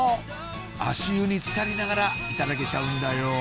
足湯につかりながらいただけちゃうんだよ